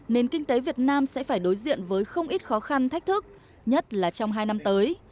nền kinh tế việt nam sẽ phải đối diện với không ít khó khăn thách thức nhất là trong hai năm tới